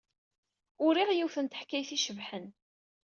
Uriɣ yiwet n teḥkayt icebḥen.